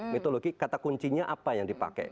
mitologi kata kuncinya apa yang dipakai